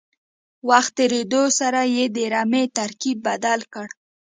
وخت تېرېدو سره یې د رمې ترکیب بدل کړ.